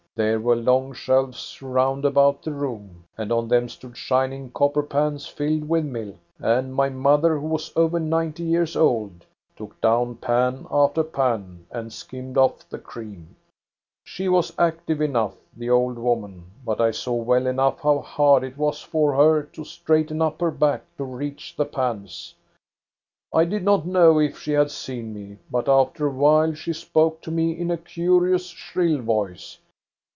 There were long shelves round about the room, and on them stood shining copper pans filled with milk. And my mother, who was over ninety years old, took down pan after pan and skimmed off the cream. She MARGARETA CELSING 465 was active enough, the old woman ; but I saw well enough how hard it was for her to straighten up her back to reach the pans. I did not know if she had seen me ; but after a while she spoke to me in a curious, shrill voice.